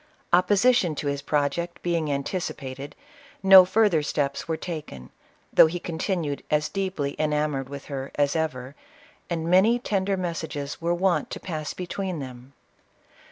Opposition to his project being anticipated, no further steps were taken, though he continued as deep ly enamored with her as ever, and many tender mes sages were wont to pass between them.